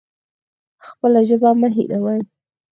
خپله ژبه مه هیروئ